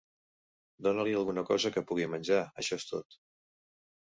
Dona-li alguna cosa que pugui menjar, això és tot.